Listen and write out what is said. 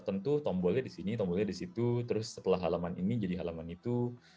tentu tombolnya di sini tombolnya di situ terus setelah halaman ini jadi halaman itu